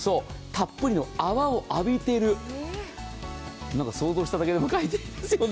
たっぷりの泡を浴びてる想像しただけでも快適ですよね。